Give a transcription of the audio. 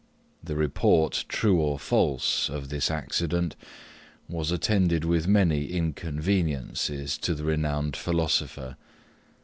The report, true or false, of this accident, was attended with many inconveniences to the renowned philosopher.